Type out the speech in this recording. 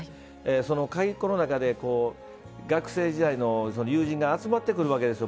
鍵っ子の中で学生時代の友人が集まってくるわけですよ